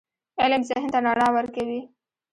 علم ذهن ته رڼا ورکوي.